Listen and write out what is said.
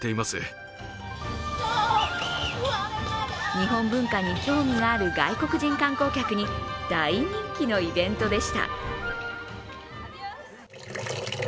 日本文化に興味がある外国人観光客に大人気のイベントでした。